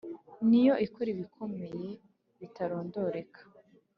ni yo ikora ibikomeye bitarondoreka,